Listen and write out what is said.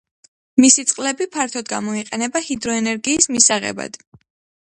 მისი წყლები ფართოდ გამოიყენება ჰიდროენერგიის მისაღებად.